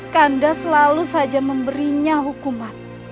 kanda selalu saja memberinya hukuman